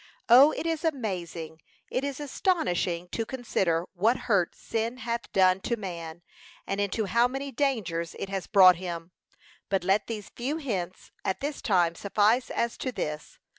O it is amazing, it is astonishing to consider what hurt sin hath done to man, and into how many dangers it has brought him; but let these few hints at this time suffice as to this.